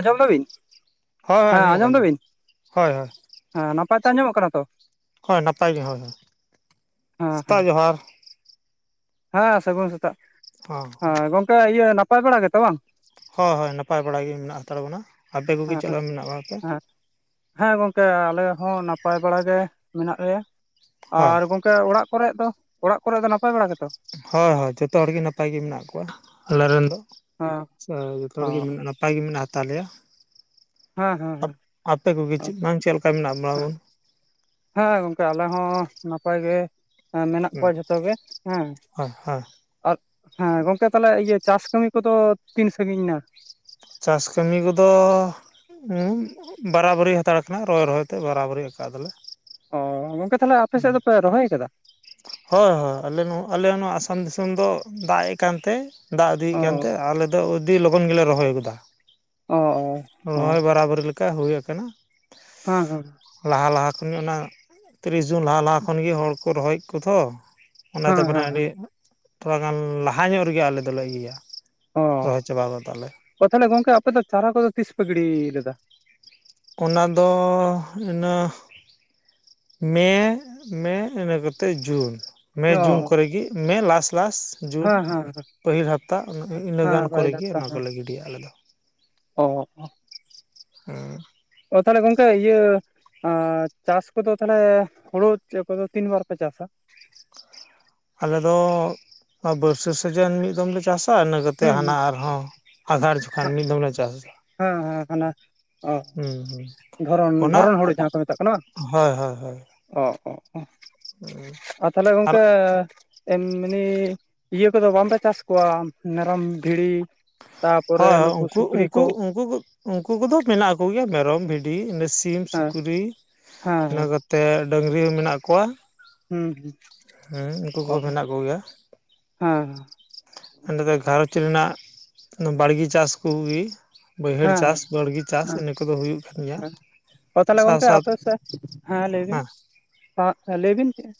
ᱟᱸᱡᱚᱢ ᱫᱟᱵᱤᱱ ᱦᱳᱭ ᱦᱳᱭ ᱦᱮᱸ ᱟᱸᱡᱚᱢᱚᱜ ᱠᱟᱱ ᱟᱸᱡᱚᱢ ᱜᱮᱭᱟ ᱫᱟᱵᱤᱱ ᱦᱳᱭ ᱦᱳᱭ ᱦᱮᱸ ᱱᱟᱯᱟᱭ ᱛᱮ ᱟᱸᱡᱚᱢᱚᱜ ᱠᱟᱱᱟ ᱛᱚ ᱦᱳᱭ ᱱᱟᱯᱟᱭ ᱜᱮ ᱦᱳᱭ ᱦᱳᱭ ᱦᱮᱸ ᱦᱮᱸ ᱥᱮᱛᱟᱜ ᱡᱚᱦᱟᱨ ᱦᱮᱸ ᱥᱟᱹᱜᱩᱱ ᱥᱮᱛᱟᱜ ᱦᱚᱸ ᱦᱮᱸ ᱜᱚᱝᱠᱮ ᱤᱭᱟᱹ ᱱᱟᱯᱟᱭ ᱵᱟᱲᱟ ᱜᱮᱛᱚ ᱵᱟᱝ ᱦᱳᱭ ᱦᱳᱭ ᱱᱟᱯᱟᱭ ᱵᱟᱲᱟ ᱜᱮ ᱢᱮᱱᱟᱜ ᱦᱟᱛᱟᱲ ᱵᱚᱱᱟ ᱟᱯᱮ ᱠᱚᱜᱮ ᱪᱮᱫ ᱦᱮᱸ ᱞᱮᱠᱟ ᱢᱮᱱᱟᱜ ᱠᱟᱜ ᱯᱮᱭᱟ ᱦᱮᱸ ᱦᱮᱸ ᱜᱚᱝᱠᱮ ᱟᱞᱮ ᱦᱚᱸ ᱱᱟᱯᱟᱭ ᱵᱟᱲᱟ ᱜᱮ ᱢᱮᱱᱟᱜ ᱞᱮᱭᱟ ᱦᱳᱭ ᱟᱨ ᱜᱚᱢᱠᱮ ᱜᱚᱠᱮ ᱚᱲᱟᱜ ᱠᱚᱨᱮ ᱫᱚ ᱚᱲᱟᱜ ᱠᱚᱨᱮ ᱫᱚ ᱱᱟᱯᱟᱭ ᱵᱟᱲᱟ ᱜᱮᱛᱚ ᱦᱳᱭ ᱦᱳᱭ ᱡᱚᱛᱚ ᱦᱚᱲᱜᱮ ᱱᱟᱯᱟᱭ ᱜᱮ ᱢᱮᱱᱟᱜ ᱠᱚᱣᱟ ᱟᱞᱮᱨᱮᱱ ᱫᱚ ᱦᱮᱸ [inaudible] ᱡᱚᱛᱚ ᱚ ᱦᱚᱲᱜᱮ ᱢᱮᱱᱟᱜ ᱱᱟᱯᱟᱭ ᱱᱟᱯᱟᱭ ᱜᱮ ᱢᱮᱱᱟᱜ ᱦᱟᱞᱮᱭᱟ ᱦᱮᱸ ᱦᱮᱸ ᱦᱮᱸ ᱟᱯᱮ ᱠᱚᱜᱮ ᱪᱮᱫ ᱵᱟᱝ ᱪᱮᱫ ᱞᱮᱠᱟ ᱢᱮᱱᱟᱜ ᱵᱚᱱᱟ ᱵᱚᱱ ᱦᱮᱸ ᱦᱮᱸ ᱜᱚᱝᱠᱮ ᱟᱞᱮ ᱦᱚᱸ ᱱᱟᱯᱟᱭ ᱜᱮ ᱦᱮᱸ ᱢᱮᱱᱟᱜ ᱠᱚᱣᱟ ᱡᱷᱚᱛᱚᱜᱮ ᱦᱮᱸ ᱦᱳᱭ ᱦᱳᱭ ᱟᱨ ᱦᱮᱸ ᱜᱚᱝᱠᱮ ᱛᱟᱦᱚᱞᱮ ᱤᱭᱟᱹ ᱪᱟᱥ ᱠᱟᱹᱢᱤ ᱠᱚᱫᱚ ᱛᱤᱱ ᱥᱟᱺᱜᱤᱧ ᱮᱱᱟ ᱪᱟᱥ ᱠᱟᱹᱢᱤ ᱠᱚᱫᱚ ᱵᱟᱨᱟᱵᱟᱹᱨᱤ ᱦᱟᱛᱟᱲ ᱟᱠᱟᱱᱟ ᱨᱚᱦᱚᱭ ᱨᱚᱦᱚᱭ ᱛᱮ ᱵᱟᱨᱟᱵᱟᱹᱨᱤ ᱟᱠᱟᱫᱟᱞᱮ ᱚ ᱜᱚᱝᱠᱮ ᱛᱟᱦᱚᱞᱮ ᱟᱯᱮ ᱥᱮᱫ ᱫᱚᱯᱮ ᱨᱚᱦᱚᱭ ᱠᱟᱫᱟ ᱦᱳᱭ ᱦᱳᱭ ᱟᱞᱮ ᱱᱚᱣᱟ ᱟᱞᱮ ᱱᱚᱣᱟ ᱟᱥᱟᱢ ᱫᱤᱥᱚᱢ ᱫᱚ ᱫᱟᱜ ᱮᱜ ᱠᱟᱱᱛᱮ ᱫᱟᱜ ᱤᱫᱤᱭᱮᱫ ᱚ ᱠᱟᱱᱛᱮ ᱟᱞᱮ ᱫᱚ ᱟᱹᱫᱤ ᱞᱚᱜᱚᱱ ᱜᱮᱞᱮ ᱨᱚᱦᱚᱭ ᱜᱚᱫᱟ ᱚ ᱚ ᱚ ᱨᱚᱦᱚᱭ ᱵᱟᱨᱟᱵᱟᱹᱨᱤ ᱞᱮᱠᱟ ᱦᱩᱭ ᱠᱟᱱᱟ ᱦᱮᱸ ᱦᱮᱸ ᱞᱟᱦᱟ ᱞᱟᱦᱟ ᱠᱷᱚᱱᱜᱮ ᱚᱱᱟ ᱛᱤᱨᱤᱥ ᱡᱩᱱ ᱞᱟᱦᱟ ᱞᱟᱦᱟ ᱠᱷᱚᱱᱜᱮ ᱦᱚᱲ ᱠᱚ ᱨᱚᱦᱚᱭᱮᱫ ᱠᱚ ᱛᱚ ᱚᱱᱟᱛᱮ ᱦᱮᱸ ᱦᱮᱸ [inaudible] ᱟᱹᱰᱤ ᱛᱷᱚᱲᱟ ᱜᱟᱱ ᱞᱟᱦᱟ ᱧᱚᱜ ᱨᱮᱜᱮ ᱟᱞᱮ ᱫᱚᱞᱮ ᱤᱭᱟᱹᱭᱟ ᱚ ᱨᱚᱦᱚᱭ ᱪᱟᱵᱟᱣ ᱠᱟᱫᱟᱞᱮ ᱚ ᱛᱟᱦᱚᱞᱮ ᱜᱚᱝᱠᱮ ᱟᱯᱮ ᱫᱚ ᱪᱟᱨᱟ ᱠᱚᱫᱚ ᱛᱤᱥ ᱯᱮ ᱜᱤᱰᱤ ᱞᱮᱫᱟ ᱚᱱᱟᱫᱚᱻ ᱤᱱᱟ. ᱢᱮ ᱢᱮ ᱤᱱᱟᱹ ᱠᱟᱛᱮᱫ ᱡᱩᱱ ᱢᱮ ᱚ ᱡᱩᱱ ᱠᱚᱨᱮ ᱜᱮ ᱢᱮ ᱞᱟᱥ ᱞᱟᱥ ᱡᱩᱱ ᱦᱮᱸ ᱦᱮᱸ ᱯᱟᱹᱦᱤᱞ ᱦᱟᱯᱛᱟ ᱤᱱᱟᱹ ᱦᱮᱸ ᱜᱟᱱ ᱯᱟᱹᱦᱤᱞ ᱠᱚᱨᱮᱜᱮ ᱦᱟᱯᱛᱟ ᱚᱱᱟ ᱦᱮᱸ ᱠᱚᱞᱮ ᱜᱤᱰᱤᱭᱟ ᱟᱞᱮ ᱫᱚ ᱚ ᱦᱩᱸ ᱚ ᱛᱟᱦᱚᱞᱮ ᱜᱚᱝᱠᱮ ᱤᱭᱟᱹ ᱟᱨ ᱪᱟᱥ ᱠᱚᱫᱚ ᱛᱟᱦᱚᱞᱮ ᱦᱩᱲᱩ ᱠᱚᱫᱚ ᱛᱤᱱ ᱵᱟᱨ ᱯᱮ ᱪᱟᱥᱟ ᱟᱞᱮ ᱫᱚ ᱵᱟᱹᱨᱥᱟᱹ ᱥᱤᱡᱮᱱ ᱢᱤᱫ ᱫᱚᱢᱞᱮ ᱪᱟᱥᱟ ᱤᱱᱟᱹ ᱠᱟᱛᱮᱫ ᱦᱩᱸ ᱦᱟᱱᱟ ᱦᱩᱸ ᱟᱨᱦᱚᱸ ᱟᱫᱷᱟᱨ ᱡᱚᱠᱷᱟᱱ ᱦᱮᱸ ᱢᱤᱫ ᱫᱚᱢᱞᱮ ᱪᱟᱥᱟ ᱦᱮᱸ ᱦᱟᱱᱟ ᱚ ᱦᱩᱸ ᱦᱩᱸ ᱫᱷᱚᱨᱚᱱ ᱚᱱᱟ ᱫᱷᱚᱨᱚᱱ ᱦᱩᱲᱩ ᱡᱟᱦᱟᱸ ᱠᱚ ᱢᱮᱛᱟᱜ ᱠᱟᱱᱟ ᱵᱟᱝ? ᱦᱳᱭ ᱦᱳᱭ ᱦᱳᱭ ᱚ ᱚ ᱚ ᱟᱨ ᱛᱟᱦᱚᱞᱮ ᱜᱚᱢᱠᱮ ᱢᱟᱱᱤ ᱤᱭᱟᱹ ᱠᱚᱫᱚ ᱵᱟᱢᱯᱮ ᱪᱟᱥ ᱠᱚᱣᱟ ᱢᱮᱨᱚᱢ ᱵᱷᱤᱲᱤ ᱛᱟᱯᱚᱨᱮ ᱦᱳᱭ ᱦᱳᱭ ᱱᱩᱠᱩ ᱩᱱᱠᱩ ᱥᱩᱠᱨᱤ ᱩᱱᱠᱩ ᱠᱚ ᱩᱱᱠᱩ ᱠᱚ ᱩᱱᱠᱩ ᱠᱚᱫᱚ ᱢᱮᱱᱟᱜ ᱠᱚ ᱜᱮᱭᱟ ᱢᱮᱨᱚᱢ ᱵᱷᱤᱰᱤ ᱤᱱᱟᱹ ᱥᱤᱢ ᱦᱮᱸ ᱥᱩᱠᱨᱤ ᱦᱮᱸ ᱤᱱᱟᱹ ᱦᱮᱸ ᱱᱚᱛᱮ ᱰᱟᱺᱝᱨᱤ ᱦᱚᱸ ᱢᱮᱱᱟᱜ ᱠᱚᱣᱟ ᱦᱩᱸ ᱦᱩᱸ ᱩᱱᱠᱩ ᱚ ᱠᱚᱦᱚᱸ ᱢᱮᱱᱟᱜ ᱠᱚᱜᱮᱭᱟ ᱦᱮᱸ ᱦᱮᱸ ᱚᱸᱰᱮ ᱫᱚ ᱜᱷᱟᱨᱚᱸᱧᱡᱽ ᱨᱮᱱᱟᱜ ᱵᱟᱲᱜᱮ ᱪᱟᱥ ᱠᱚᱜᱮ ᱵᱟᱹᱭᱦᱟᱹᱲ ᱦᱮᱸ ᱦᱮᱸ ᱦᱮᱸ ᱪᱟᱥ ᱵᱟᱹᱲᱜᱮ ᱪᱟᱥ ᱦᱮᱸ ᱤᱱᱟᱹ ᱠᱚᱫᱚ ᱦᱩᱭᱩᱜ ᱠᱟᱱ ᱜᱮᱭᱟ ᱚ ᱛᱟᱦᱚᱞᱮ ᱥᱟᱶ ᱜᱚᱢᱠᱮ ᱥᱟᱶ ᱟᱯᱮ ᱥᱮᱫ ᱦᱮᱸ ᱞᱟᱹᱭ ᱵᱤᱱ ᱞᱟᱹᱭ ᱵᱤᱱ ᱪᱮᱫ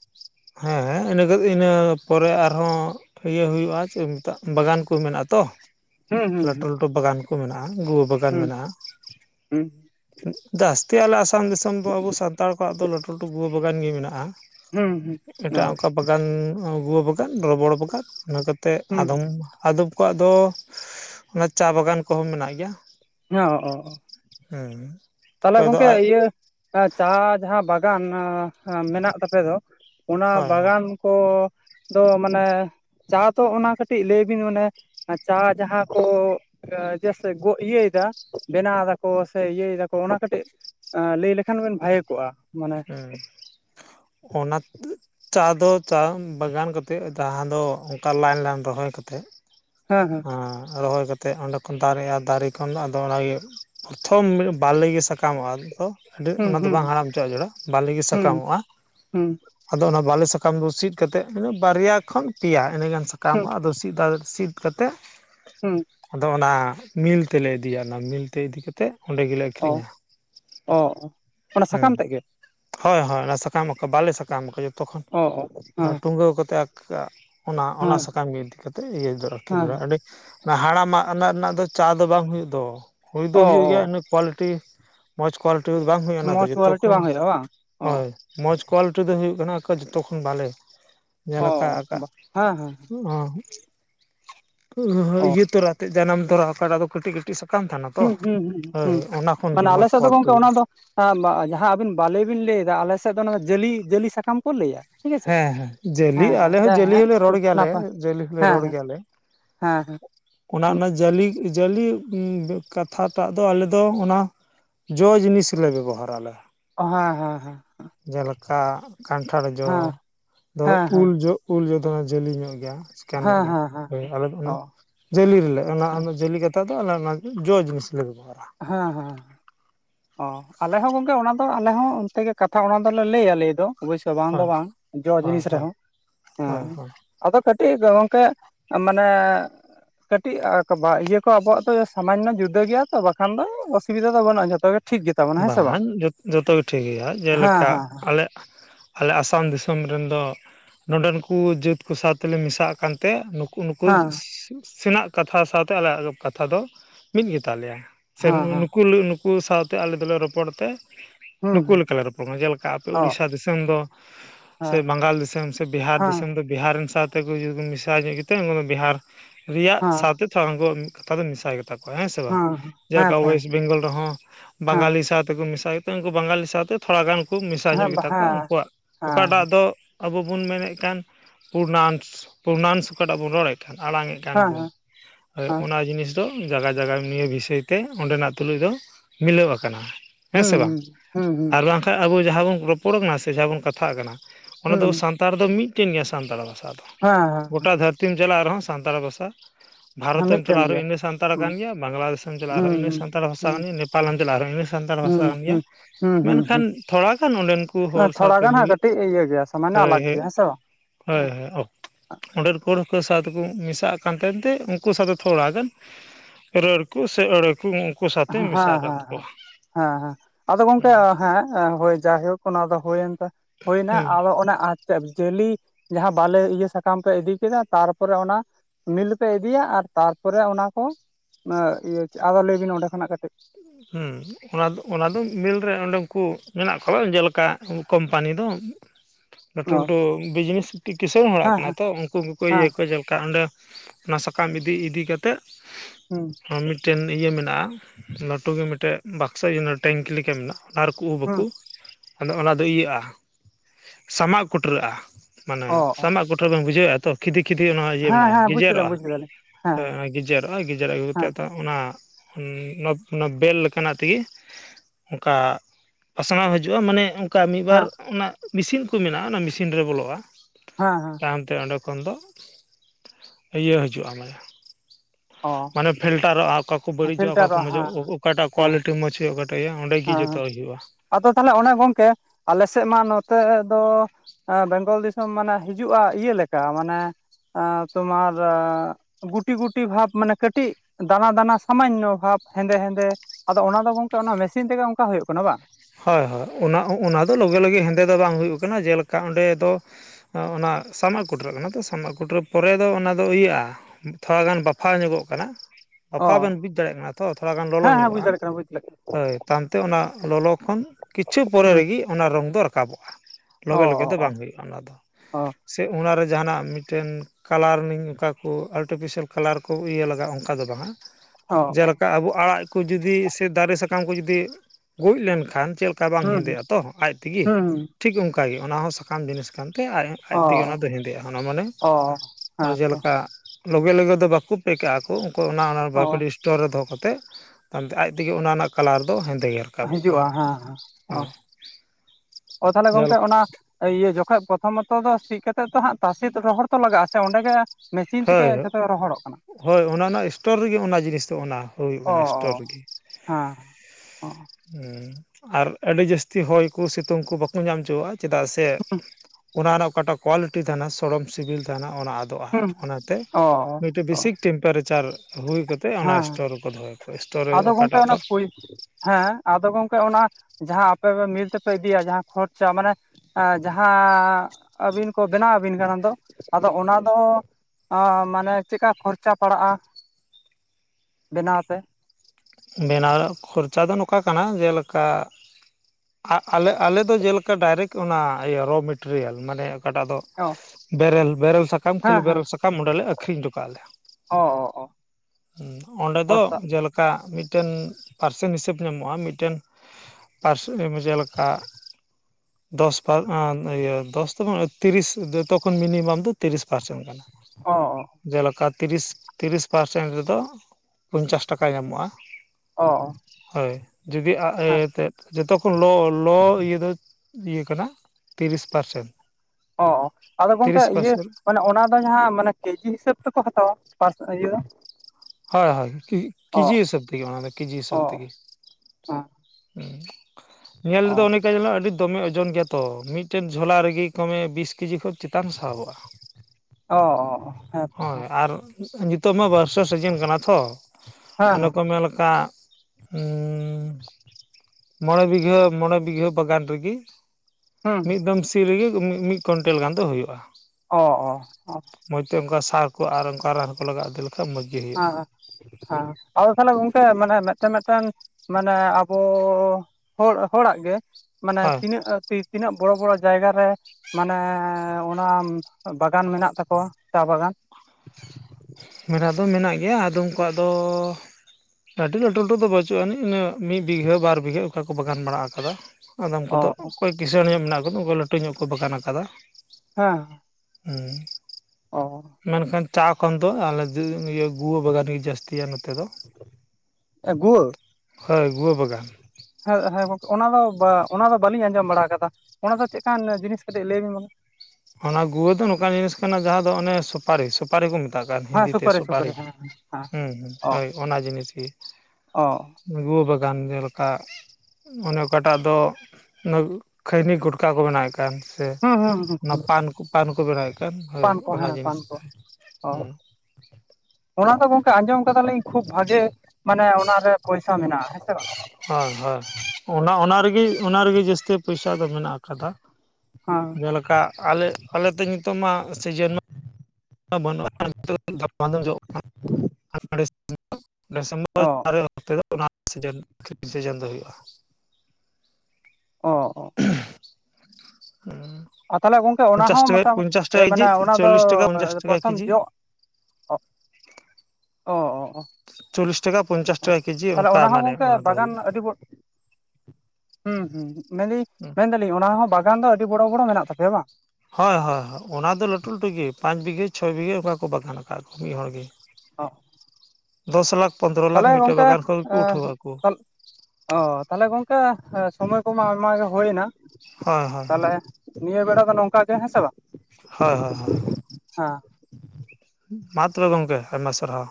ᱦᱮᱸ ᱦᱮᱸ ᱤᱱᱟᱹ ᱤᱱᱟᱹ ᱯᱚᱨᱮ ᱟᱨᱦᱚᱸ [inaudible] ᱦᱩᱭᱩᱜᱼᱟ ᱡᱮ ᱢᱮᱛᱟᱜ ᱵᱟᱜᱟᱱ ᱠᱚ ᱢᱮᱱᱟᱜᱼᱟ ᱛᱚ ᱦᱩᱸ ᱞᱟᱹᱴᱩ ᱦᱩᱸ ᱞᱟᱹᱴᱩ ᱵᱟᱜᱟᱱ ᱠᱚ ᱢᱮᱱᱟᱜᱼᱟ ᱜᱩᱣᱟᱹ ᱵᱟᱜᱟᱱ ᱦᱩᱸ ᱢᱮᱱᱟᱜᱼᱟ ᱦᱩᱸ ᱡᱟᱹᱥᱛᱤ ᱟᱞᱮ ᱟᱥᱟᱢ ᱫᱤᱥᱚᱢ ᱫᱚ ᱟᱵᱚ ᱥᱟᱱᱛᱟᱲ ᱠᱚᱣᱟᱜ ᱫᱚ ᱞᱟᱹᱴᱩ ᱞᱟᱹᱴᱩ ᱜᱩᱣᱟᱹ ᱵᱟᱜᱟᱱ ᱜᱮ ᱢᱮᱱᱟᱜᱼᱟ ᱦᱩᱸ ᱦᱩᱸ ᱚ ᱮᱴᱟᱜ ᱚᱱᱠᱟ ᱵᱟᱜᱟᱱ ᱜᱩᱣᱟᱹ ᱵᱟᱜᱟᱱ ᱵᱚᱲᱚ ᱵᱚᱲᱚ ᱵᱟᱜᱟᱱ ᱤᱱᱟᱹ ᱠᱟᱛᱮᱫ ᱦᱩᱸ ᱟᱫᱚᱢ ᱟᱫᱚᱢ ᱠᱚᱣᱟᱜ ᱫᱚ ᱚᱱᱟ ᱪᱟ ᱵᱟᱜᱟᱱ ᱠᱚᱦᱚᱸ ᱢᱮᱱᱟᱜ ᱜᱮᱭᱟ [unintelligible] ᱦᱩᱸ ᱛᱟᱦᱚᱞᱮ ᱜᱚᱝᱠᱮ ᱤᱭᱟᱹ ᱪᱟ ᱡᱟᱦᱟᱸ ᱵᱟᱜᱟᱱ ᱢᱮᱱᱟᱜ ᱛᱟᱯᱮ ᱫᱚ ᱚᱱᱟ ᱦᱳᱭ ᱵᱟᱜᱟᱱ ᱠᱚ [inaudible] ᱫᱚ ᱢᱟᱱᱮ ᱪᱟ ᱛᱚ ᱚᱱᱟ ᱠᱟᱹᱴᱤᱡ ᱞᱟᱹᱭ ᱵᱤᱱ ᱢᱟᱱᱮ ᱪᱟ ᱡᱟᱦᱟᱸ ᱠᱚ [inaudible] ᱤᱭᱟᱹ ᱫᱟ ᱵᱮᱱᱟᱣ ᱫᱟᱠᱚ ᱥᱮ ᱤᱭᱟᱹᱭ ᱫᱟ ᱚᱱᱟ ᱠᱟᱹᱴᱤᱡ ᱞᱟᱹᱭ ᱞᱮᱠᱷᱟᱱ ᱵᱤᱱ ᱵᱷᱟᱜᱮ ᱠᱚᱜᱼᱟ ᱢᱟᱱᱮ ᱚᱱᱟ ᱪᱟ ᱫᱚ ᱪᱟ ᱵᱟᱜᱟᱱ ᱠᱟᱛᱮᱫ ᱡᱟᱦᱟᱸ ᱫᱚ ᱚᱱᱠᱟ ᱞᱟᱭᱤᱱ ᱞᱟᱭᱤᱱ ᱨᱚᱦᱚᱭ ᱠᱟᱛᱮᱫ ᱦᱮᱸ ᱦᱮᱸ ᱨᱚᱦᱚᱭ ᱠᱟᱛᱮᱫ ᱚᱸᱰᱮ ᱠᱷᱚᱱ ᱫᱟᱨᱮᱜᱼᱟ ᱫᱟᱨᱮ ᱠᱷᱚᱱ ᱟᱫᱚ ᱚᱱᱟᱜᱤᱹ ᱯᱨᱚᱛᱷᱚᱢ ᱵᱟᱞᱮᱜ ᱜᱮ ᱥᱟᱠᱟᱢᱚᱜᱼᱟ ᱟᱫᱚ ᱟᱹᱰᱤ ᱦᱩᱸ ᱚᱱᱟ ᱫᱚ ᱦᱩᱸ ᱵᱟᱝ ᱦᱟᱲᱟᱢ [inaudible] ᱡᱚᱲᱟ ᱵᱟᱹᱞᱤ ᱜᱮ ᱦᱩᱸ ᱥᱟᱠᱟᱢᱚᱜᱼᱟ ᱦᱩᱸ ᱟᱫᱚ ᱚᱱᱟ ᱵᱟᱞᱮ ᱥᱟᱠᱟᱢ ᱫᱚ ᱥᱤᱫ ᱠᱟᱛᱮᱜ ᱵᱟᱨᱭᱟ ᱠᱷᱚᱱ ᱯᱮᱭᱟ ᱤᱱᱟᱹ ᱜᱟᱱ ᱥᱟᱠᱟᱢ ᱦᱩᱸ ᱟᱫᱚ ᱥᱤᱫ ᱥᱤᱫ ᱠᱟᱛᱮᱫ ᱦᱩᱸ ᱟᱫᱚ ᱚᱱᱟ ᱢᱤᱞ ᱛᱮᱞᱮ ᱤᱫᱤᱭᱟ ᱚᱱᱟ ᱢᱤᱞ ᱛᱮ ᱤᱫᱤ ᱠᱟᱛᱮᱫ ᱚᱸᱰᱮ ᱜᱮᱞᱮ ᱟᱠᱷᱨᱤᱧᱟ᱾ ᱚᱻᱻ ᱦᱮ ᱦᱳᱭ ᱦᱳᱭ ᱚᱱᱟ ᱥᱟᱠᱟᱢ ᱠᱚ ᱵᱟᱞᱮ ᱥᱟᱠᱟᱢ ᱠᱚ ᱡᱚ ᱛᱚᱠᱷᱚᱱ ᱚ ᱚ ᱦᱮᱸ ᱴᱩᱜᱟᱹᱣ ᱠᱟᱛᱮ ᱚᱱᱟ ᱚᱱᱟ ᱦᱮᱸ ᱥᱟᱠᱟᱢ ᱜᱮ ᱤᱫᱤ ᱠᱟᱛᱮᱫ ᱤᱭᱟᱹ ᱫᱚ ᱦᱮᱸ [inaudible] ᱟᱹᱰᱤ ᱚᱱᱟ ᱦᱟᱲᱟᱢᱟᱜ ᱱᱟᱜ ᱨᱮᱱᱟᱜ ᱫᱚ ᱪᱟ ᱫᱚ ᱵᱟᱝ ᱦᱩᱭᱩᱜ ᱫᱚ ᱦᱩᱭ ᱫᱚ ᱚ ᱦᱩᱭᱩᱜ ᱚ ᱜᱮᱭᱟ ᱤᱱᱟᱹ ᱠᱣᱟᱞᱤᱴᱤ ᱢᱚᱡᱽ ᱠᱚᱣᱟᱞᱤᱴᱤ ᱵᱟᱝ ᱦᱩᱭᱩᱜᱼᱟ ᱚᱱᱟ ᱫᱚ ᱢᱚᱸᱡᱽ ᱡᱚᱛᱚ ᱠᱳᱣᱟᱞᱤᱴᱤ ᱠᱷᱚᱱ ᱵᱟᱝ ᱦᱩᱭᱩᱜᱼᱟ ᱵᱟᱝ ᱚ ᱦᱳᱭ ᱢᱚᱡᱽ ᱠᱳᱣᱟᱞᱤᱴᱤ ᱫᱚ ᱦᱩᱭᱩᱜ ᱠᱟᱱᱟ ᱡᱚᱛᱚ ᱠᱷᱚᱱ ᱵᱷᱟᱞᱮ ᱚ ᱡᱮᱞᱮᱠᱟ ᱟᱠᱟ ᱦᱮᱸ ᱦᱮᱸ ᱚ ᱤᱭᱟᱹ ᱛᱚᱨᱟᱛᱮᱫ ᱡᱟᱱᱟᱢ [inaudible] ᱠᱟᱰᱟ ᱫᱚ ᱠᱟᱹᱴᱤᱡ ᱠᱟᱹᱴᱤᱡ ᱥᱟᱯ ᱦᱩᱸ ᱦᱩᱸ ᱦᱩᱸ ᱦᱩᱸ ᱜᱮ ᱢᱟᱱᱮ ᱟᱞᱮ ᱢᱚᱡᱽ ᱥᱮᱫ ᱫᱚ ᱠᱳᱣᱟᱞᱤᱴᱤ ᱜᱚᱢᱠᱮ ᱚᱱᱟ ᱫᱚ ᱡᱟᱦᱟᱸ ᱟᱵᱤᱱ ᱵᱟᱞᱮ ᱵᱤᱱ ᱞᱟᱹᱭ ᱮᱫᱟ ᱟᱞᱮᱥᱮᱫ ᱫᱚ ᱚᱱᱟ ᱡᱟᱹᱞᱤ ᱡᱟᱹᱞᱤ ᱥᱟᱠᱟᱢ ᱠᱚ ᱞᱟᱹᱭᱟ ᱴᱷᱤᱠ ᱟᱪᱷᱮ ᱦᱮᱸ ᱦᱮᱸ ᱡᱟᱹᱞᱤ ᱦᱮᱸ ᱟᱞᱮ ᱦᱮᱸ ᱦᱚᱸ ᱡᱟᱹᱞᱤ ᱡᱟᱦᱮᱸ ᱦᱚᱸᱞᱮ ᱨᱚᱲ ᱜᱮᱭᱟᱞᱮ ᱱᱟᱯᱟᱭ ᱡᱟᱹᱞᱤ ᱦᱚᱸᱞᱮ ᱦᱮᱸ ᱨᱚᱲ ᱦᱮᱸ ᱜᱮᱭᱟᱞᱮ ᱦᱮᱸ ᱦᱮᱸ ᱚᱱᱟ ᱚᱱᱟ ᱡᱟᱹᱞᱤ ᱡᱟᱹᱞᱤ ᱠᱟᱛᱷᱟᱴᱟᱜ ᱫᱚ ᱟᱞᱮ ᱫᱚ ᱚᱱᱟ ᱡᱚ ᱡᱤᱱᱤᱥ ᱞᱮ ᱵᱮᱵᱚᱦᱟᱨᱟ ᱟᱞᱮ ᱾ ᱦᱮᱸ ᱦᱮᱸ ᱦᱮᱸ ᱡᱮᱞᱮᱠᱟ ᱠᱟᱱᱴᱷᱟᱲ ᱡᱚ ᱦᱮᱸ ᱫᱚ ᱦᱮᱸ ᱩᱞ ᱡᱚ ᱩᱞ ᱡᱚ ᱫᱚ ᱡᱟᱹᱞᱤ ᱧᱚᱜ ᱜᱮᱭᱟ᱾ ᱥᱠᱮᱱᱮᱫ ᱦᱮᱸ ᱜᱮᱭᱟ ᱦᱮᱸ ᱦᱮᱸ ᱦᱳᱭ ᱟᱞᱮ ᱫᱚ ᱚᱱᱟ ᱚ ᱡᱟᱹᱞᱤ ᱨᱮᱞᱮ ᱚᱱᱟ ᱦᱮᱸ ᱡᱟᱹᱞᱤ ᱠᱟᱛᱷᱟ ᱫᱚ ᱟᱞᱮ ᱚᱱᱟ ᱡᱚ ᱡᱤᱱᱤᱥ ᱞᱮ ᱵᱮᱵᱚᱦᱟᱨᱟ᱾ ᱦᱟᱸ ᱦᱟᱸ ᱚ ᱟᱞᱮ ᱦᱚᱸ ᱜᱚᱝᱠᱮ ᱚᱱᱟ ᱫᱚ ᱟᱞᱮ ᱦᱚᱸ ᱚᱱᱛᱮ ᱜᱮ ᱠᱟᱛᱷᱟ ᱚᱱᱟ ᱫᱚᱞᱮ ᱞᱟᱹᱭᱟ ᱞᱟᱹᱭ ᱫᱚ ᱚᱵᱚᱥᱥᱳᱭ ᱵᱟᱝ ᱫᱚ ᱦᱳᱭ ᱵᱟᱝ ᱡᱚ ᱦᱳᱭ ᱡᱤᱱᱤᱥ ᱦᱳᱭ ᱨᱮᱦᱚᱸ ᱦᱳᱭ ᱦᱮᱸ ᱦᱳᱭ ᱟᱫᱚ ᱠᱟᱹᱴᱤᱡ ᱜᱚᱝᱠᱮ ᱢᱟᱱᱮ ᱠᱟᱹᱴᱤᱡ ᱤᱭᱟᱹ ᱠᱚ ᱟᱵᱚᱣᱟᱜ ᱫᱚ ᱥᱟᱢᱟᱧᱱᱚ ᱡᱩᱫᱟᱹ ᱜᱮᱭᱟ ᱛᱚ᱾ ᱮᱱᱠᱷᱟᱱ ᱫᱚ ᱚᱥᱩᱵᱤᱫᱟ ᱫᱚ ᱵᱟᱹᱱᱩᱜ-ᱟ ᱡᱚᱛᱚ ᱜᱮ ᱴᱷᱤᱠ ᱜᱮᱛᱟᱵᱚᱱᱟ ᱦᱮᱸ ᱥᱮ ᱵᱟᱝ ᱵᱟᱝᱠᱷᱟᱱ ᱡᱚᱛ ᱡᱚᱛᱚ ᱜᱮ ᱴᱷᱤᱠ ᱜᱮᱭᱟ ᱦᱮᱸ ᱡᱮᱞᱮᱠᱟ ᱦᱮᱸ ᱟᱞᱮ ᱟᱞᱮ ᱟᱥᱟᱢ ᱫᱤᱥᱚᱢ ᱨᱮᱱ ᱫᱚ ᱱᱚᱰᱮᱱ ᱠᱚ ᱡᱟᱹᱛ ᱠᱚ ᱥᱟᱶ ᱛᱮᱞᱮ ᱢᱮᱥᱟ ᱟᱠᱟᱱ ᱛᱮ ᱩᱱᱠᱩ ᱦᱮᱸ ᱥᱮᱱᱟᱜ ᱠᱟᱛᱷᱟ ᱥᱟᱶᱛᱮ ᱟᱞᱮᱭᱟᱜ ᱠᱟᱛᱷᱟ ᱫᱚ ᱢᱤᱫ ᱜᱮ ᱛᱟᱞᱮᱭᱟ᱾ ᱥᱮ ᱦᱮᱸ ᱦᱮᱸ ᱱᱩᱠᱩ ᱱᱩᱠᱩ ᱥᱟᱶᱛᱮ ᱟᱞᱮ ᱫᱚᱞᱮ ᱨᱚᱯᱚᱲ ᱛᱮ ᱦᱩᱸ ᱱᱩᱠᱩ ᱞᱮᱠᱟᱞᱮ ᱨᱚᱯᱚᱲᱚᱜᱟ᱾ ᱡᱮᱞᱮᱠᱟ ᱟᱯᱮ ᱚ ᱩᱲᱤᱥᱥᱟ ᱫᱤᱥᱚᱢ ᱫᱚ ᱥᱮ ᱦᱮᱸ ᱵᱟᱝᱜᱟᱞ ᱫᱤᱥᱚᱢ ᱥᱮ ᱵᱤᱦᱟᱨ ᱦᱮᱸ ᱫᱤᱥᱚᱢ ᱫᱚ ᱵᱤᱦᱟᱨ ᱨᱮᱱ ᱥᱟᱶᱛᱮ ᱠᱚ ᱡᱩᱫᱤ ᱠᱚ ᱢᱮᱥᱟ ᱧᱚᱜ ᱠᱟᱛᱮ ᱩᱱᱠᱩ ᱫᱚ ᱵᱤᱦᱟᱨ ᱨᱮᱭᱟᱜ ᱦᱮᱸ ᱥᱟᱶᱛᱮ ᱠᱩᱣᱟᱜ ᱢᱤᱫ ᱠᱟᱛᱷᱟ ᱫᱚ ᱢᱮᱥᱟᱭ ᱜᱮ ᱛᱟᱠᱚᱣᱟ ᱦᱮᱸ ᱥᱮ ᱵᱟᱝ [inaudible] ᱦᱮᱸ ᱡᱮᱞᱮᱠᱟ ᱛᱚ ᱦᱮᱸ ᱚᱭᱮᱥᱴ ᱵᱮᱝᱜᱚᱞ ᱨᱮᱦᱚᱸ ᱦᱮᱸ ᱵᱟᱝᱜᱟᱞᱤ ᱥᱟᱶ ᱛᱮ ᱠᱚ ᱢᱮᱥᱟ ᱠᱟᱛᱮ ᱩᱱᱠᱩ ᱵᱟᱝᱜᱟᱞᱤ ᱥᱟᱶ ᱛᱮ ᱛᱷᱚᱲᱟ ᱜᱟᱱ ᱠᱚ ᱢᱮᱥᱟ ᱧᱚᱜ ᱦᱮᱸ ᱦᱮᱸ ᱜᱮᱛᱟ ᱠᱚᱣᱟ ᱩᱱᱠᱩᱣᱟᱜ ᱚᱠᱟᱴᱟᱜ ᱫᱚ ᱟᱵᱚ ᱵᱚᱱ ᱢᱮᱱᱮᱫ ᱠᱟᱱ [inaudible] ᱯᱩᱨᱱᱟᱸᱱᱥ [inaudible] ᱯᱩᱨᱱᱟᱸᱱᱥ ᱚᱠᱟᱴᱟᱜ ᱵᱚᱱ ᱨᱚᱲᱮᱫ ᱠᱟᱱ ᱟᱲᱟᱝᱮᱫ ᱠᱟᱱ ᱦᱮᱸ ᱵᱚᱱ ᱦᱮᱸ ᱦᱚᱭ ᱦᱮᱸ ᱚᱱᱟ ᱡᱤᱱᱤᱥ ᱫᱚ ᱡᱟᱜᱟ-ᱡᱟᱜᱟ ᱱᱤᱭᱟᱹ ᱵᱤᱥᱚᱭ ᱛᱮ ᱚᱸᱰᱮᱱᱟᱜ ᱛᱩᱞᱩᱡ ᱫᱚ ᱢᱤᱞᱟᱹᱣ ᱟᱠᱟᱱᱟ [inaudible] ᱦᱮᱸ ᱦᱩᱸ ᱥᱮ ᱵᱟᱝ ᱦᱩᱸ ᱦᱩᱸ [inaudible] ᱦᱩᱸ ᱟᱨ ᱵᱟᱝ ᱟᱵᱚ ᱡᱟᱦᱟᱸ ᱵᱚᱱ ᱨᱚᱯᱚᱲ ᱠᱟᱱᱟ ᱥᱮ ᱡᱟᱦᱟᱸ ᱵᱚᱱ ᱠᱟᱛᱷᱟᱜ ᱠᱟᱱᱟ ᱚᱱᱟ ᱫᱚ ᱦᱩᱸ ᱥᱟᱱᱛᱟᱲ ᱫᱚ ᱢᱤᱫᱴᱮᱱ ᱜᱮᱭᱟ ᱥᱟᱱᱛᱟᱲ ᱵᱷᱟᱥᱟ ᱫᱚ᱾ ᱦᱮᱸ ᱜᱳᱴᱟ ᱫᱷᱟᱹᱨᱛᱤᱢ ᱪᱟᱞᱟᱜ ᱨᱮᱦᱚᱸ ᱥᱟᱱᱛᱟᱲ ᱵᱷᱟᱥᱟ ᱦᱮᱸ ᱵᱷᱟᱨᱚᱛ ᱮᱢ ᱢᱤᱫᱴᱮᱱ ᱪᱟᱞᱟᱜ ᱜᱮᱭᱟ ᱨᱮᱦᱚᱸ ᱤᱱᱟᱹ ᱥᱟᱱᱛᱟᱲ ᱦᱩᱸ ᱠᱟᱱ ᱜᱮᱭᱟ, ᱵᱟᱝᱞᱟ ᱫᱮᱥᱚᱢ ᱮᱢ ᱪᱟᱞᱟᱜ ᱨᱮᱦᱚᱸ ᱤᱱᱟᱹ ᱦᱩᱸ ᱥᱟᱱᱛᱟᱲ ᱵᱷᱟᱥᱟ ᱠᱟᱱ ᱦᱩᱸ ᱜᱮᱭᱟ ᱪᱟᱞᱟᱜ ᱨᱮᱦᱚᱸ ᱥᱟᱱᱛᱟᱲ ᱦᱩᱸ ᱵᱷᱟᱥᱟ ᱠᱟᱱ ᱜᱮᱭᱟ ᱦᱩᱸ ᱦᱩᱸ ᱦᱩᱸ ᱢᱮᱱᱠᱷᱟᱱ ᱦᱩᱸ ᱛᱷᱚᱲᱟ ᱜᱟᱱ ᱚᱸᱰᱮᱱ ᱠᱚ ᱦᱚᱲ ᱥᱟᱶ [unintelligible] ᱦᱟᱸᱜ ᱠᱟᱹᱴᱤᱡ ᱤᱭᱟᱹ ᱜᱮᱭᱟ ᱥᱟᱢᱟᱱᱱᱚ ᱟᱞᱟᱜ ᱜᱮᱭᱟ ᱦᱮᱸᱥᱮ ᱵᱟᱝ᱾ ᱦᱳᱭ ᱦᱳᱭ ᱚᱠ ᱚᱸᱰᱮᱱ ᱦᱚᱲᱠᱚ ᱥᱟᱶ ᱛᱮᱠᱚ ᱢᱮᱥᱟᱜ ᱠᱟᱱ ᱛᱟᱦᱮᱸ ᱛᱮ ᱩᱱᱠᱩ ᱥᱟᱶᱛᱮ ᱛᱷᱚᱲᱟᱜᱟᱱ ᱨᱟᱹᱲ ᱠᱚ ᱥᱮ ᱟᱹᱲᱟᱹ ᱠᱚ ᱩᱱᱠᱩ ᱥᱟᱛᱮ ᱦᱮᱸ ᱢᱮᱥᱟᱜ ᱠᱚ ᱦᱮᱸ ᱦᱮᱸ ᱦᱮᱸ ᱦᱮᱸ ᱟᱫᱚ ᱜᱚᱝᱠᱮ ᱦᱮᱸ ᱦᱚᱭ ᱡᱟᱭᱦᱩᱠ ᱟᱱᱟ ᱫᱚ ᱦᱩᱭᱮᱱ ᱛᱟᱭ ᱦᱳᱭᱱᱟ ᱦᱩᱸ ᱟᱫᱚ ᱚᱱᱟ ᱟᱨ ᱡᱟᱹᱞᱤ ᱡᱟᱦᱟ ᱵᱟᱞᱮ ᱤᱭᱟᱹ ᱥᱟᱠᱟᱢ ᱯᱮ ᱤᱫᱤ ᱠᱮᱫᱟ ᱛᱟᱨᱯᱚᱨᱮ ᱚᱱᱟ ᱢᱤᱞ ᱯᱮ ᱤᱫᱤᱭᱟ ᱟᱨ ᱛᱟᱨᱯᱚᱨᱮ ᱚᱱᱟ ᱠᱚ ᱟᱫᱚ ᱞᱟᱹᱭ ᱵᱤᱱ ᱚᱸᱰᱮ ᱠᱷᱚᱱᱟᱜ ᱠᱟᱹᱴᱤᱡ ᱦᱮᱸ ᱚᱱᱟ ᱫᱚ, ᱚᱱᱟ ᱫᱚ ᱢᱤᱞ ᱨᱮ ᱚᱸᱰᱮ ᱩᱱᱠᱩ ᱢᱮᱱᱟᱜ ᱠᱚᱣᱟ ᱡᱮᱞᱮᱠᱟ ᱠᱚᱢᱯᱟᱱᱤ ᱫᱚ᱾ ᱞᱟᱹᱴᱩ - ᱚ ᱞᱟᱹᱴᱩ ᱵᱤᱡᱽᱱᱮᱥ ᱠᱤᱥᱟᱹᱬ ᱦᱚᱲᱟᱜ ᱦᱮᱸ ᱠᱟᱱᱟ ᱦᱮᱸ ᱛᱚ ᱩᱱᱠᱩ ᱜᱮᱠᱚ ᱤᱭᱟᱹ ᱦᱮᱸ ᱠᱚᱣᱟ ᱡᱮ ᱞᱮᱠᱟ ᱚᱸᱰᱮ ᱚᱱᱟ ᱥᱟᱠᱟᱢ ᱤᱫᱤ ᱤᱫᱤ ᱠᱟᱛᱮᱫ ᱦᱩᱸ ᱢᱤᱫᱴᱮᱱ ᱤᱭᱟᱹ ᱢᱮᱱᱟᱜ-ᱟ ᱞᱟᱹᱴᱩ ᱜᱮ ᱢᱤᱫᱴᱮᱱ ᱵᱟᱠᱥᱟ ᱴᱮᱝᱠᱤ ᱞᱮᱠᱟ ᱢᱮᱱᱟᱜ-ᱟ᱾ ᱚᱱᱟ ᱨᱮᱭᱟ ᱩᱵ ᱦᱩᱸ ᱵᱟᱠᱚ, ᱟᱫᱚ ᱚᱱᱟᱫᱚ ᱤᱭᱟᱹᱜ-ᱟ ᱥᱟᱢᱟᱜ ᱠᱩᱴᱨᱟᱹᱜ-ᱟ᱾ ᱢᱟᱱᱮ ᱚ ᱚ ᱥᱟᱢᱟᱜ ᱠᱚᱴᱷᱳ ᱢᱟ ᱵᱩᱡᱷᱟᱹᱣ ᱟ-ᱛᱚ ᱠᱷᱤᱫᱤ ᱠᱷᱤᱫᱤ ᱚᱱᱟ ᱤᱭᱟᱹ ᱦᱮᱸ ᱢᱮᱱᱟᱜ-ᱟ ᱦᱮᱸ ᱵᱩᱡ ᱠᱮᱫᱟ ᱵᱩᱡ ᱠᱮᱫᱟᱞᱤᱧ ᱦᱮᱸ ᱜᱮᱡᱮᱨᱚᱜ-ᱟ ᱜᱮᱡᱮᱨᱚᱜ-ᱟ ᱜᱮᱡᱮᱨ ᱟᱹᱜᱩ ᱦᱮᱸ ᱠᱟᱛᱮᱫ ᱛᱚ ᱚᱱᱟ ᱚᱱᱟ ᱵᱮᱞ ᱞᱮᱠᱟᱱᱟᱜ ᱛᱮᱜᱮ [inaudible] ᱚᱱᱠᱟ [inaudible] ᱯᱟᱥᱱᱟᱣ ᱦᱤᱡᱩᱜ-ᱟ ᱢᱟᱱᱮ ᱠᱟ ᱢᱤᱫ ᱵᱟᱨ ᱦᱮᱸ ᱚᱱᱟ ᱢᱮᱥᱤᱱ ᱠᱚ ᱢᱮᱱᱟᱜ-ᱟ ᱚᱱᱟ ᱢᱮᱥᱤᱱ ᱨᱮ ᱵᱚᱞᱚᱜ-ᱟ᱾ ᱦᱮᱸ ᱦᱮᱸ ᱛᱟᱭᱚᱢᱛᱮ ᱚᱸᱰᱮ ᱠᱷᱚᱱ ᱫᱚ ᱤᱭᱟᱹ ᱦᱤᱡᱩᱜ-ᱟ ᱢᱟᱭᱟ᱾ ᱚ ᱢᱟᱱᱮ ᱯᱷᱤᱞᱴᱟᱨᱚᱜ-ᱟ ᱚᱠᱟ ᱠᱚ ᱵᱟᱹᱲᱤᱡᱚᱜ-ᱟ ᱚᱠᱟ ᱠᱚ ᱯᱷᱤᱞᱴᱟᱨᱚᱜᱼᱟ ᱢᱚᱡᱚᱜ ᱦᱮᱸ ᱠᱚ ᱚᱠᱟᱴᱟᱜ ᱦᱮᱸ ᱠᱳᱣᱟᱞᱤᱴᱤ ᱢᱚᱸᱡᱽ ᱦᱩᱭᱩᱜ ᱚᱠᱟᱴᱟᱜ ᱦᱩᱭᱩᱜ-ᱟ ᱚᱸᱰᱮ ᱜᱮ ᱦᱮᱸ ᱡᱚᱛᱚᱣᱟᱜ ᱦᱩᱭᱩᱜ-ᱟ᱾ ᱟᱫᱚ ᱛᱟᱦᱚᱞᱮ ᱚᱱᱮ ᱜᱚᱝᱠᱮ ᱟᱞᱮ ᱥᱮᱫ ᱢᱟ ᱱᱚᱛᱮ ᱫᱚ ᱵᱮᱝᱜᱚᱞ ᱫᱤᱥᱚᱢ ᱢᱟᱱᱮ ᱦᱤᱡᱩᱜ-ᱟ ᱤᱭᱟᱹ ᱞᱮᱠᱟ ᱢᱟᱱᱮ ᱛᱳᱢᱟᱨᱻ ᱜᱩᱴᱤ ᱜᱩᱴᱤ ᱵᱷᱟᱵᱽ ᱢᱟᱱᱮ ᱠᱟᱹᱴᱤᱡ ᱫᱟᱱᱟ ᱫᱟᱱᱟ ᱥᱟᱢᱟᱱᱱᱚ ᱵᱷᱟᱵᱽ ᱦᱮᱸᱫᱮ ᱦᱮᱸᱫᱮ ᱟᱫᱚ ᱚᱱᱟᱫᱚ ᱜᱚᱝᱠᱮ ᱚᱱᱟ ᱢᱮᱥᱤᱱ ᱛᱮᱜᱮ ᱚᱱᱠᱟ ᱦᱩᱭᱩᱜ ᱠᱟᱱᱟ ᱵᱟᱝ? ᱦᱳᱭ ᱚᱱᱟ ᱚᱱᱟᱫᱚ ᱞᱚᱜᱮ ᱞᱟᱹᱜᱤᱫ ᱦᱮᱸᱫᱮ ᱫᱚ ᱵᱟᱝ ᱦᱩᱭᱩᱜ ᱠᱟᱱᱟ ᱡᱮᱞᱮᱠᱟ ᱚᱸᱰᱮ ᱫᱚ ᱚᱱᱟ ᱥᱟᱢᱟᱜ ᱠᱩᱴᱨᱟᱹᱜ ᱠᱟᱱᱟ ᱛᱚ ᱥᱟᱢᱟᱜ ᱠᱩᱴᱨᱟᱹ ᱯᱚᱨᱮ ᱫᱚ ᱚᱱᱟ ᱫᱚ ᱤᱭᱟᱹᱜ-ᱟ, ᱛᱷᱚᱲᱟᱜᱟᱱ ᱵᱟᱯᱷᱟᱣ ᱧᱚᱜᱚᱜ ᱠᱟᱱᱟ᱾ ᱚ ᱟᱯᱷᱟ ᱵᱤᱱ ᱵᱩᱡ ᱫᱟᱲᱮᱭᱟᱜ ᱠᱟᱱᱟ ᱛᱚ ᱛᱷᱚᱲᱟ ᱜᱟᱱ ᱞᱚᱞᱚ ᱦᱮᱸ ᱦᱮᱸ ᱵᱩᱡᱽ ᱧᱚᱜᱚᱜ-ᱟ ᱫᱟᱲᱮᱭᱟᱜ ᱠᱟᱱᱟ ᱵᱩᱡᱽ ᱫᱟᱲᱮᱭᱟᱜ ᱠᱟᱱᱟ ᱦᱳᱭ ᱛᱟᱭᱚᱢᱛᱮ ᱚᱱᱟ ᱞᱚᱞᱚ ᱛᱚᱠᱷᱚᱱ ᱠᱤᱪᱷᱩ ᱯᱚᱨᱮ ᱦᱩᱸ ᱨᱮᱜᱮ ᱚᱱᱟ ᱨᱚᱝ ᱫᱚ ᱨᱟᱠᱟᱵᱚᱜ-ᱟ ᱚ ᱞᱚᱜᱮ ᱞᱚᱜᱮ ᱫᱚ ᱚ ᱵᱟᱝ ᱦᱩᱭᱩᱜ-ᱟ ᱚᱱᱟ ᱫᱚ ᱚ ᱥᱮ ᱚᱱᱟᱨᱮ ᱡᱟᱦᱟᱱᱟᱜ ᱢᱤᱫᱴᱷᱮᱱ ᱠᱟᱞᱟᱨ ᱱᱟᱹᱧ ᱚᱠᱟ ᱠᱚ ᱟᱨᱴᱤᱯᱷᱮᱥᱤᱭᱟᱞ ᱠᱟᱞᱟᱨ ᱠᱚ ᱤᱭᱟᱹ ᱞᱟᱜᱟᱜ-ᱟ ᱚᱱᱠᱟ ᱫᱚ ᱵᱟᱝ ᱟ ᱚ ᱚ ᱡᱮᱞᱮᱠᱟ ᱟᱵᱚ ᱟᱲᱟᱜ ᱠᱚ ᱡᱩᱫᱤ ᱥᱮ ᱫᱟᱨᱮ ᱥᱟᱠᱟᱢ ᱠᱚ ᱡᱩᱫᱤ ᱜᱩᱡ ᱞᱮᱱᱠᱷᱟᱱ ᱪᱮᱫ ᱚᱱᱠᱟ ᱫᱚ ᱵᱟᱝ ᱦᱩᱸ ᱦᱩᱸ ᱦᱮᱸᱫᱮᱜ-ᱟ ᱛᱚ ᱟᱡ ᱛᱮᱜᱮ ᱦᱩᱸ ᱦᱩᱸ ᱴᱷᱤᱠ ᱚᱱᱠᱟᱜᱮ ᱚᱱᱟ ᱦᱚᱸ ᱥᱟᱠᱟᱢ ᱡᱤᱱᱤᱥ ᱠᱟᱱᱛᱮ ᱟᱡ ᱟᱡ ᱛᱮᱜᱮ ᱚᱱᱟ ᱚ ᱫᱚ ᱦᱮᱸᱫᱮᱜ-ᱟ ᱚᱱᱟ ᱢᱟᱱᱮ ᱚ ᱦᱮᱸ ᱚᱱᱮ ᱛᱚ ᱡᱮᱞᱮᱠᱟ ᱞᱚᱜᱮ ᱞᱚᱜᱮ ᱫᱚ ᱵᱟᱠᱚ ᱯᱮᱠᱟᱜ-ᱟ ᱠᱚ ᱩᱱᱠᱩ ᱚᱱᱟ ᱚ ᱵᱟᱯᱮ ᱰᱤᱥᱴ ᱥᱴᱳᱨ ᱨᱮ ᱫᱚᱦᱚ ᱠᱟᱛᱮᱫ ᱛᱟᱭᱚᱢᱛᱮ ᱟᱡ ᱛᱮᱜᱮ ᱚᱱᱟ ᱨᱮᱱᱟᱜ ᱠᱟᱞᱟᱨ ᱫᱚ ᱦᱮᱸᱫᱮ ᱜᱮᱨ ᱦᱤᱡᱩᱜ-ᱟ ᱦᱮᱸ ᱦᱮᱸ ᱚ ᱦᱳᱭ ᱚ ᱛᱟᱦᱚᱞᱮ ᱜᱚᱝᱠᱮ ᱡᱮᱞᱮᱠᱟ ᱚᱱᱟ ᱤᱭᱟᱹ ᱡᱚᱠᱷᱚᱡ ᱯᱨᱚᱛᱷᱚᱢᱚᱛᱚ ᱫᱚ ᱥᱤᱫ ᱠᱟᱛᱮᱫ ᱛᱚ ᱦᱟᱸᱜ ᱛᱟᱥᱮᱫ ᱨᱚᱦᱚᱲ ᱛᱚ ᱞᱟᱜᱟᱜ-ᱟ ᱥᱮ ᱚᱸᱰᱮ ᱜᱮ ᱢᱮᱥᱤᱱ ᱛᱮᱜᱮ ᱦᱳᱭ ᱡᱷᱚᱛᱚ ᱨᱚᱦᱚᱲᱚᱜ ᱠᱟᱱᱟ? ᱦᱳᱭ ᱚᱱᱟ ᱚᱱᱟ ᱥᱴᱳᱨ ᱨᱮᱜᱮ ᱚᱱᱟ ᱡᱤᱱᱤᱥ ᱫᱚ ᱚᱱᱟ ᱦᱩᱭ ᱠᱟᱱᱟ ᱥᱴᱳᱨ ᱨᱮᱜᱮ ᱦᱮᱸ ᱚ᱾ ᱦᱮᱺᱻ ᱟᱨ ᱟᱹᱰᱤ ᱡᱟᱹᱥᱛᱤ ᱦᱚᱭ ᱠᱚ ᱥᱤᱛᱩᱳᱝ ᱠᱚ ᱵᱟᱠᱚ ᱧᱟᱢ ᱪᱚᱣᱟᱜᱼᱟ ᱪᱮᱫᱟᱜ ᱥᱮ? ᱚᱱᱟ ᱨᱮᱱᱟᱜ ᱚᱠᱟᱴᱟᱜ ᱠᱳᱣᱟᱞᱤᱴᱤ ᱛᱟᱦᱮᱸᱱᱟ ᱥᱚᱲᱚᱢ ᱥᱤᱵᱤᱞ ᱛᱟᱦᱮᱸᱱᱟ ᱚᱱᱟ ᱟᱫ ᱦᱩᱸ ᱾ ᱚ ᱢᱤᱫᱴᱮᱡ ᱵᱮᱥᱤᱠ ᱴᱮᱢᱯᱟᱨᱮᱪᱟᱨ ᱦᱩᱭ ᱠᱟᱛᱮ ᱚᱱᱟ ᱦᱮᱸ ᱥᱴᱳᱨ ᱨᱮᱠᱚ ᱫᱚᱦᱚᱭ ᱟᱫᱚ ᱜᱚᱝᱠᱮ ᱚᱱᱟ ᱯᱩᱭ... ᱦᱮᱸ, ᱟᱫᱚ ᱜᱚᱝᱠᱮ ᱚᱱᱟ ᱡᱟᱦᱟᱸ ᱟᱯᱮ ᱢᱤᱞ ᱛᱮᱯᱮ ᱤᱫᱤᱭᱟ ᱡᱟᱦᱟᱸ ᱠᱷᱚᱨᱪᱟ ᱢᱟᱱᱮ ᱹᱹᱹᱹ ᱡᱟᱦᱟᱸᱻ ᱟᱹᱵᱤᱱ ᱠᱚ ᱵᱮᱱᱟᱣ ᱟᱹᱵᱤᱱ ᱠᱟᱱᱟ ᱫᱚ ᱟᱫᱚ ᱚᱱᱟ ᱫᱚ ᱹᱹᱹ. ᱢᱟᱱᱮ ᱪᱮᱫᱠᱟ ᱠᱷᱚᱨᱪᱟ ᱯᱟᱲᱟᱜᱼᱟ ᱵᱮᱱᱟᱣ ᱛᱮ᱾ ᱵᱮᱱᱟᱣ ᱨᱮᱭᱟᱜ ᱠᱷᱚᱨᱪᱟ ᱫᱚ ᱱᱚᱝᱠᱟ ᱠᱟᱱᱟ ᱡᱮᱞᱮᱠᱟ᱾ ᱟᱜ ᱟᱞᱮ ᱟᱞᱮᱫᱚ ᱡᱮᱞᱮᱠᱟ ᱰᱟᱭᱨᱮᱠᱴ ᱚᱱᱟ ᱤᱭᱟᱹ ᱨᱚ ᱢᱮᱴᱮᱨᱤᱭᱟᱞ, ᱢᱟᱱᱮ ᱼᱼ ᱚᱠᱟᱴᱟᱜ ᱫᱚᱞ ᱚ ᱵᱮᱨᱮᱞ ᱵᱮᱨᱮᱞ ᱥᱟᱠᱟᱢ ᱦᱮᱸ ᱠᱷᱟᱹᱞᱤ ᱦᱮᱸ ᱵᱮᱨᱮᱞ ᱥᱟᱠᱟᱢ ᱚᱸᱰᱮᱞᱮ ᱟᱹᱠᱷᱨᱤᱧ ᱦᱚᱴᱚ ᱠᱟᱜᱼᱟᱞᱮ। ᱚ ᱚ ᱦᱚᱸ ᱚᱸᱰᱮ ᱚ ᱚ ᱫᱚ ᱡᱮᱞᱮᱠᱟ ᱼᱼ ᱢᱤᱫᱴᱮᱱ ᱯᱟᱨᱥᱮᱱ ᱦᱤᱥᱟᱹᱵ ᱧᱟᱢᱚᱜᱼᱟ ᱢᱤᱫᱴᱮᱱ ᱯᱟᱨᱥ [unintelligible] ᱡᱮᱞᱮᱠᱟ ᱼᱼ [inaudible] ᱫᱚᱥ ᱯᱟ ᱟᱢ ᱤᱭᱟᱹ ᱫᱚᱥ ᱫᱚ ᱵᱟᱝ ᱛᱤᱨᱤᱥ ᱡᱚᱛᱚ ᱠᱷᱚᱱ ᱢᱤᱱᱤᱢᱟᱢ ᱫᱚ ᱛᱤᱨᱤᱥ ᱯᱟᱨᱥᱮᱱ ᱠᱟᱱᱟ ᱚ ᱾ ᱡᱮᱞᱮᱠᱟ ᱛᱤᱨᱤᱥ ᱛᱤᱨᱤᱥ ᱯᱟᱨᱥᱮᱱ ᱨᱮᱫᱚ ᱯᱚᱧᱪᱟᱥ ᱴᱟᱠᱟᱭ ᱮᱚᱢᱚᱜᱼᱟ ᱾ ᱚᱻ ᱦᱳᱭ, ᱡᱩᱫᱤ ᱟᱜ ᱟᱹᱭᱟᱹ ᱛᱮᱫ ᱾ ᱡᱚᱛᱚ ᱠᱷᱚᱱ ᱞᱚ -ᱞᱚ ᱤᱭᱟᱹ ᱫᱚ ᱤᱭᱟᱹ ᱠᱟᱱᱟ ᱛᱤᱨᱤᱥ ᱯᱟᱨᱥᱮᱱ ᱾ ᱚᱻ ᱟᱫᱚ ᱜᱚᱝᱠᱮ ᱤᱭᱟᱹ ᱢᱟᱱᱮ ᱚᱱᱟᱹᱹᱹ ᱡᱟᱦᱟᱸᱻᱢᱟᱱᱮ ᱠᱮᱹᱡᱤ ᱦᱤᱥᱟᱹᱵ ᱛᱮᱠᱚ ᱦᱟᱛᱟᱣᱟ ᱯᱟᱨᱥ ᱤᱭᱟᱹ ᱫᱚ? ᱦᱳᱭ ᱦᱳᱭ ᱚ ᱠᱮᱡᱤ ᱦᱤᱥᱟᱹᱵ ᱛᱮᱜᱮ ᱚᱱᱟ ᱫᱚ ᱠᱮᱡᱤ ᱚ ᱦᱤᱥᱟᱹᱵ ᱛᱮᱜᱮ ᱦᱮᱸ ᱦᱩᱸ ᱧᱮᱞ ᱚ ᱞᱮᱫᱚ ᱚᱱᱮᱠᱟ ᱧᱮᱱᱚᱜᱼᱟ ᱟᱹᱰᱤ ᱫᱚᱢᱮ ᱳᱡᱚᱱ ᱜᱮᱭᱟ ᱛᱚ ᱢᱤᱫᱴᱮᱱ ᱡᱷᱚᱞᱟ ᱨᱮᱜᱮ ᱠᱚᱢᱮ ᱵᱤᱥ ᱠᱮᱡᱤ ᱠᱷᱚᱡ᱾ ᱪᱮᱛᱟᱱ ᱥᱟᱦᱚᱵᱚᱜᱼᱟ, ᱚ ᱚ ᱦᱮᱸᱛᱚ ᱚᱸᱭ ᱦᱮᱸ ᱟᱨ ᱱᱤᱛᱳᱜ ᱢᱟ ᱵᱟᱨᱥᱳᱥ ᱹᱹᱹ [inaudible] ᱠᱟᱱᱟ ᱛᱚ ᱚᱸᱰᱮ ᱦᱮᱸ ᱠᱚ ᱢᱮᱱᱮᱞ [unintelligible] ᱠᱟᱜ ᱩᱸᱻ ᱢᱚᱬᱮ ᱵᱤᱜᱷᱟᱹ ᱢᱚᱬᱮ ᱵᱤᱜᱷᱟᱹ ᱵᱟᱜᱟᱱ ᱨᱮᱜᱤ᱾ ᱦᱩᱸ ᱢᱤᱫ ᱫᱚᱢ ᱥᱤ ᱨᱮᱜᱮ ᱢᱤᱼᱢᱤᱫ ᱠᱱᱴᱮᱞ ᱜᱟᱱ ᱫᱚ ᱦᱩᱭᱩᱜᱼᱟ। ᱚ ᱚ᱾ ᱢᱚᱡᱽᱛᱮ ᱚᱱᱠᱟ ᱥᱟᱨ ᱠᱚ ᱟᱨ ᱚᱱᱠᱟ ᱨᱟᱱ ᱠᱚ ᱞᱟᱜᱟᱣ ᱤᱫᱤ ᱞᱮᱠᱟᱱᱡ ᱢᱚᱡᱽ ᱼᱼ ᱦᱮᱸᱮᱸ ᱦᱮᱸ ᱟᱫᱚ ᱛᱟᱦᱚᱞᱮ ᱜᱚᱝᱠᱮ ᱢᱟᱱᱮ ᱢᱤᱫᱴᱮᱱ ᱢᱤᱫᱴᱮᱱ ᱼᱼ ᱢᱟᱱᱮ ᱟᱵᱚᱻ ᱦᱚᱲ ᱦᱚᱲᱟᱜ ᱜᱮ ᱢᱟᱱᱮ ᱦᱳᱭ ᱛᱤᱱᱟᱹᱜ ᱛᱤ-ᱛᱤᱱᱟᱹᱜ ᱵᱚᱲᱚ ᱵᱚᱲᱚ ᱡᱟᱭᱜᱟ ᱨᱮ ᱢᱟᱱᱮᱻ ᱱᱚᱣᱟ ᱵᱟᱜᱟᱱ ᱢᱮᱱᱟᱜ ᱛᱟᱠᱚᱣᱟ ᱪᱟ ᱵᱟᱜᱟᱱ᱾ ᱢᱮᱱᱟᱜ ᱫᱚ ᱢᱮᱱᱟᱜ ᱜᱮᱭᱟ ᱟᱫᱚᱢ ᱠᱚᱣᱟᱜ ᱫᱚᱻ ᱟᱹᱰᱤ ᱞᱟᱹᱴᱩ ᱞᱟᱹᱴᱩ ᱫᱚ ᱵᱟᱹᱪᱩᱜ ᱟᱹᱱᱤᱡ ᱤᱱᱟᱹ ᱢᱤᱫ ᱵᱤᱜᱷᱟᱹ ᱵᱟᱨ ᱵᱤᱜᱷᱟᱹ ᱚᱱᱠᱟ ᱠᱚ ᱵᱟᱜᱟᱱ ᱵᱟᱲᱟ ᱟᱠᱟᱫᱟ। ᱟᱫᱚ ᱚ ᱠᱚᱫᱚ ᱚᱠᱚᱭ ᱠᱤᱸᱟᱹᱬ ᱧᱚᱜ ᱢᱮᱱᱟᱜ ᱠᱚᱫᱟ ᱩᱱᱠᱩ ᱞᱟᱹᱴᱷᱩ ᱧᱚᱜ ᱠᱚ ᱵᱟᱜᱟᱱ ᱟᱠᱟᱫᱟ। ᱦᱮᱸ᱾ ᱦᱩᱸᱻ ᱚ ᱢᱮᱱᱠᱷᱟᱱ ᱪᱟ ᱠᱷᱚᱱ ᱫᱚ ᱟᱞᱮ ᱜᱩᱣᱟᱹ ᱵᱟᱜᱟᱱ ᱜᱮ ᱡᱟᱹᱥᱛᱤᱭᱟ ᱱᱚᱛᱮ ᱫᱚ। ᱮ ᱜᱩᱣᱟᱹ? ᱦᱳᱭ ᱜᱩᱣᱟᱹ ᱵᱟᱜᱟᱱ ᱦᱮᱸ ᱦᱮᱸ ᱜᱚᱝᱠᱮ ᱚᱱᱟ ᱫᱚ ᱵᱟ ᱚᱱᱟ ᱫᱚ ᱵᱟᱟᱹᱞᱤᱧ ᱟᱸᱡᱚᱢ ᱵᱟᱲᱟ ᱟᱠᱟᱫᱟ, ᱚᱱᱟ ᱫᱚ ᱪᱮᱫᱠᱟᱱ ᱡᱤᱱᱤᱥ ᱠᱟᱹᱴᱤᱡ ᱞᱟᱹᱭᱵᱤᱱ ᱢᱮ᱾ ᱚᱱᱟ ᱜᱩᱣᱟᱹ ᱫᱚ ᱱᱚᱝᱠᱟᱱ ᱡᱤᱱᱤᱥ ᱠᱟᱱᱟ ᱡᱟᱦᱟᱸ ᱫᱚ ᱚᱱᱮ ᱥᱩᱯ ᱼᱼ ᱥᱩᱯᱟᱨᱤ ᱥᱩᱯᱟᱨᱤ ᱠᱚ ᱢᱮᱛᱟᱜ ᱠᱟᱱ ᱦᱮᱸ ᱦᱤᱱᱫᱤ ᱛᱮ ᱥᱩᱯᱟᱹᱨᱤ ᱥᱩᱯᱟᱨᱤ᱾ ᱥᱩᱯᱟᱹᱨᱤ ᱦᱮᱸ ᱦᱮᱸ ᱦᱩᱸ ᱦᱩᱸ ᱚ ᱦᱳᱭ ᱚᱱᱟ ᱡᱤᱱᱤᱥ ᱜᱮ, ᱚ ᱜᱩᱣᱟᱹ ᱵᱟᱜᱟᱱ ᱡᱮᱞᱮᱠᱟ ᱚᱱᱮ ᱚᱠᱟᱴᱟᱜ ᱫᱚ ᱠᱷᱟᱭᱱᱤ ᱜᱩᱚᱴᱠᱟ ᱠᱚ ᱵᱮᱱᱟᱣᱮᱫ ᱠᱟᱱ ᱥᱮ᱾ ᱦᱩ ᱦᱩᱸ᱾ ᱚᱱᱟ ᱯᱟᱱ ᱠᱚ ᱯᱟᱱ ᱠᱚ ᱵᱮᱱᱟᱣᱮᱫ ᱠᱟᱱ ᱦᱳᱭ ᱯᱟᱱ ᱠᱚ ᱚᱱᱟ ᱦᱮᱸ ᱯᱟᱱ ᱡᱤᱱᱤᱥ ᱠᱚ ᱜᱮ, ᱚ ᱦᱩᱸ ᱚᱱᱟ ᱫᱚ ᱜᱚᱝᱠᱮ ᱟᱸᱡᱚᱢ ᱠᱟᱫᱟᱞᱤᱧ ᱠᱷᱩᱵ ᱵᱷᱟᱜᱮ᱾ ᱢᱟᱱᱮ ᱚᱱᱟᱨᱮ ᱯᱚᱭᱥᱟ ᱢᱮᱱᱟᱜᱼᱟ ᱦᱮᱸᱥᱮ ᱵᱟᱝ? ᱦᱳᱭ ᱦᱳᱭ ᱚᱱᱟ, ᱚᱱᱟ ᱨᱮᱜᱮ ᱚᱱᱟ ᱨᱮᱜᱮ ᱡᱟᱹᱥᱛᱤ ᱯᱚᱭᱥᱟ ᱫᱚ ᱢᱮᱱᱟᱜ ᱠᱟᱫᱟ। ᱦᱚᱸ᱾ ᱡᱮᱞᱮᱠᱟᱜ ᱟᱞᱮ, ᱟᱞᱮ ᱱᱤᱛᱳᱜ ᱢᱟ ᱥᱤᱡᱤᱱ ᱼᱼ ᱵᱟᱹᱱᱩᱜᱼᱟᱫᱚᱜ [inaudible] ᱠᱟᱱᱟ [inaudible] ᱰᱤᱥᱮᱢᱵᱚᱨ ᱚ [inaudible] ᱟᱯᱮ ᱫᱚ ᱚᱱᱟ ᱥᱤᱡᱮᱱᱠᱷᱨᱤ [inaudible] ᱥᱤᱡᱮᱱ [unintelligible] ᱫᱚ ᱦᱩᱭᱩᱜᱼᱟ᱾ ᱚ ᱚ᱾ ᱦ [inaudible] ᱛᱟᱦᱚᱞᱮ ᱜᱚᱝᱠᱮ ᱚᱱᱟ ᱦᱚᱸ ᱢᱚᱴᱟ ᱢᱟᱱᱮ ᱠᱮᱡᱤ ᱚᱱᱟ ᱫᱚ ᱪᱚᱞᱞᱤᱥ ᱴᱟᱠᱟ ᱯᱚᱧᱪᱟᱥ ᱴᱟᱠᱟ ᱯᱨᱚᱛᱷᱚᱢ ᱠᱮᱡᱤ ᱡᱚᱜ ᱼᱼ ᱚ ᱚ ᱚ᱾ ᱪᱚᱞᱞᱤᱥ ᱴᱟᱠᱟ ᱯᱚᱧᱪᱟ ᱚ ᱛᱟᱦᱚᱞᱮ ᱚᱱᱟ ᱦᱚᱸ ᱜᱚᱝᱠᱮ ᱵᱟᱜᱟᱱ ᱟᱹᱰᱤ ᱵᱚ [inaudible] ᱦᱮᱸ ᱦᱮᱸ ᱢᱮᱱᱫᱟᱹᱧ ᱦᱩᱸ᱾ ᱢᱮᱱᱫᱟᱞᱤᱧ ᱚᱱᱟ ᱦᱚᱸ ᱵᱟᱜᱟᱱ ᱫᱚ ᱟᱹᱰᱤ ᱵᱚᱲᱚ ᱵᱚᱲᱚ ᱢᱮᱱᱟᱜ ᱛᱟᱯᱮᱭᱟ ᱵᱟᱝ? ᱦᱳᱭ ᱦᱳᱭ ᱦᱳᱭ ᱚᱱᱟ ᱫᱚ ᱞᱟᱹᱴᱩ ᱞᱟᱹᱴᱩ ᱜᱮ ᱯᱟᱸᱪ ᱵᱤᱜᱷᱟᱹ ᱪᱷᱚᱭ ᱵᱤᱜᱷᱟᱹ ᱚᱠᱟ ᱠᱚ ᱵᱟᱜᱟᱱ ᱟᱠᱟᱫ ᱠᱚ ᱢᱤᱫ ᱦᱚᱲ ᱜᱮ। ᱚ ᱫᱚᱥ ᱞᱟᱠᱷ, ᱯᱚᱱᱫᱽᱨᱚ ᱞᱟᱠᱷ, ᱛᱟᱦᱚᱞᱮ ᱢᱤᱫᱴᱮᱱ ᱜᱚᱝᱠᱮ ᱵᱟᱜᱟᱱ ᱠᱷᱚᱱ ᱜᱮᱠᱚ ᱩᱴᱷᱟᱹᱣᱟᱚ। ᱚ ᱛᱟᱦᱚᱞᱮ ᱜᱚᱢᱠᱮ ᱥᱚᱢᱚᱭ ᱠᱚᱢᱟ ᱟᱭᱢᱟ ᱜᱮ ᱦᱩᱭ ᱮᱱᱟ, ᱦᱳᱭ ᱦᱳᱭ ᱦᱳᱭ ᱛᱟᱦᱚᱞᱮ ᱼᱼ ᱱᱤᱭᱟᱹ ᱵᱮᱲᱟ ᱫᱚ ᱱᱚᱝᱠᱟᱜ ᱜᱮ ᱦᱮᱸ ᱥᱮ ᱵᱟᱝ, ᱦᱳᱭ ᱦᱳᱭ ᱦᱳᱭ ᱦᱮᱸ ᱢᱟ ᱛᱚᱵᱮ ᱜᱚᱝᱠᱮ ᱟᱭᱢᱟ ᱥᱟᱨᱦᱟᱣ।